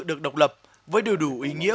được độc lập với điều đủ ý nghĩa